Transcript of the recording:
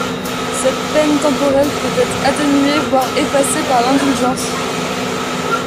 Cette peine temporelle peut être atténuée voire effacée par l'indulgence.